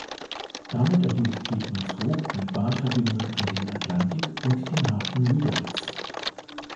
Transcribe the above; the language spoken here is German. Damit erhielt Keetmanshoop eine Bahnverbindung an den Atlantik und den Hafen Lüderitz.